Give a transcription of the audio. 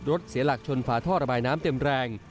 เสียหลักชนฝาท่อระบายน้ำเต็มแรง